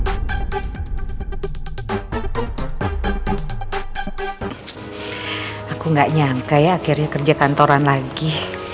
ternyata akhirnya kerja kantoran lagi